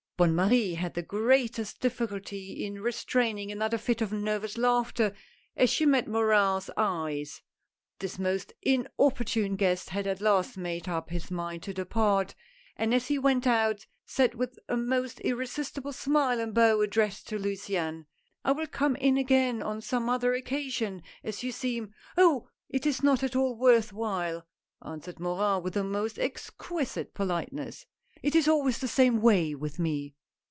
Bonne Marie had the greatest difficulty in restraining another fit of nervous laughter as she met Morin's eyes. This most inopportune guest at last made up his mind to depart, and as he went out said with a most irresistible smile and bow addressed to Luciane. " I will come in again on some other occasion, as you seem "" Oh ! it is not at all worth while," answered Morin with the most exquisite politeness, " it is always the same way with me."